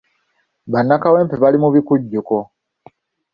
Bannakawempe bali mu bikujjuko.